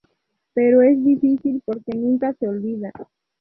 Pero es difícil porque nunca se olvida.